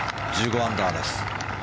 １５アンダーです。